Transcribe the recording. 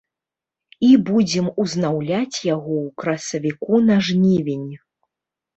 І будзем узнаўляць яго ў красавіку на жнівень.